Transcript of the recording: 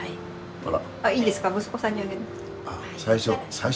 あら。